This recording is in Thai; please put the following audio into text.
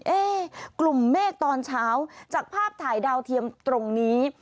กลุ่มเมฆตอนเช้าจากภาพถ่ายดาวเทียมตรงนี้